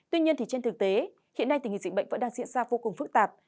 tuy nhiên trên thực tế hiện nay tình hình dịch bệnh vẫn đang diễn ra vô cùng phức tạp